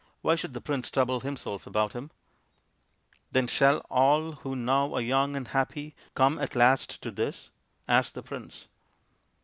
Why should the Prince trouble himself about him ?"" Then shall all who now are young and happy come at last to this ?" asked the prince.